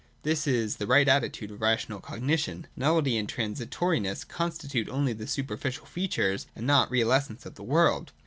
This is the right attitude of rational cognition. Nullity and transitoriness constitute only the superficial features and not the real essence of the world.